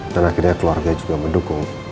dan akhirnya keluarga juga mendukung